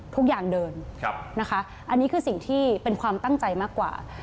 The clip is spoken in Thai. ทุกอย่างเดินนะคะอันนี้คือสิ่งที่เป็นความตั้งใจมากกว่า